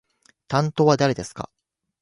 担当は誰ですか？